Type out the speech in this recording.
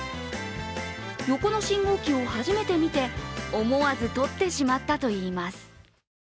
横の信号機を初めて見て、思わず撮ってしまったといいます。